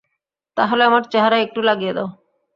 তাহলে আমার চেহারায় একটু লাগিয়ে দাও?